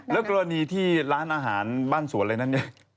แล้วกรณีที่ร้านอาหารบ้านสวนอะไรนั้นเนี่ย